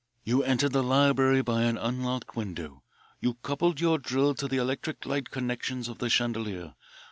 You entered the library by an unlocked window, you coupled your drill to the electric light connections of the chandelier.